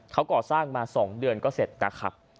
เขาก่อสร้างมา๒เดือนก็เสร็จนะครับ